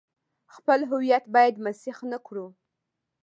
خپل هویت باید مسخ نه کړو.